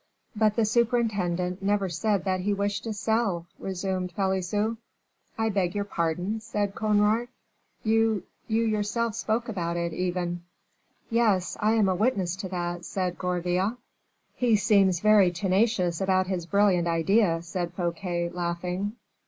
"But the superintendent never said that he wished to sell," resumed Pelisson. "I beg your pardon," said Conrart, "you yourself spoke about it, even " "Yes, I am a witness to that," said Gourville. "He seems very tenacious about his brilliant idea," said Fouquet, laughing.